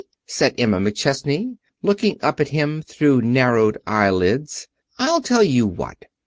said Emma McChesney, looking up at him through narrowed eyelids. "I'll tell you what.